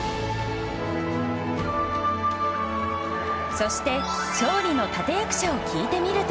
そして勝利の立役者を聞いてみると。